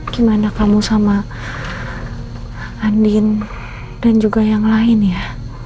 gimana kamu sama andin dan juga yang lain ya